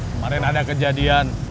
semarin ada kejadian